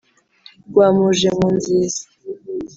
rwamuje mu nziza